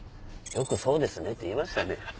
よく「そうですね」って言えましたね。